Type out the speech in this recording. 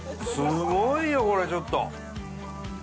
すごいよこれちょっと！